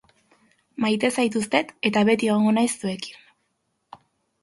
Maite zaituztet eta beti egongo naiz zuekin.